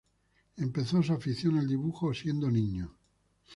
Empezó sus afición al dibujo siendo niño.